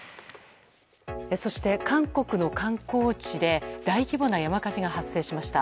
そして、韓国の観光地で大規模な山火事が発生しました。